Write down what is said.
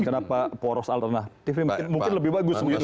kenapa poros alternatifnya mungkin lebih bagus begitu